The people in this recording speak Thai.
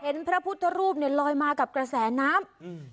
พระพุทธรูปเนี่ยลอยมากับกระแสน้ำอืม